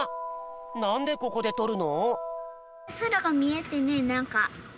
なんでここでとるの？